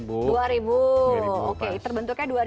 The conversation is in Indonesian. oke terbentuknya dua ribu